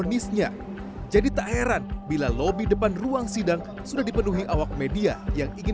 jenisnya jadi tak heran bila lobi depan ruang sidang sudah dipenuhi awak media yang ingin